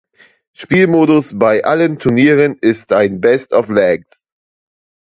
Spielmodus bei allen Turnieren ist ein "best of legs".